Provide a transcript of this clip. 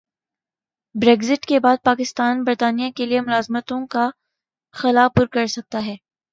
Brexit کے بعد پاکستان برطانیہ کیلئے ملازمتوں کا خلا پر کرسکتا ہے